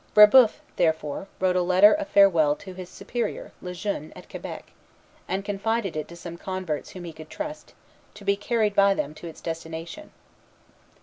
Brébeuf, therefore, wrote a letter of farewell to his Superior, Le Jeune, at Quebec, and confided it to some converts whom he could trust, to be carried by them to its destination.